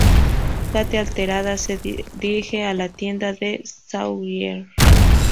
Kate alterada se dirige a la tienda de Sawyer.